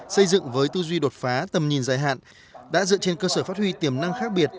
xây dựng với tư duy đột phá tầm nhìn dài hạn đã dựa trên cơ sở phát huy tiềm năng khác biệt